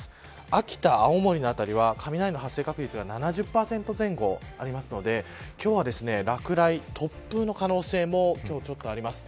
秋田、青森辺りは雷の発生確率が７０％前後あるので今日は落雷突風の可能性もあります。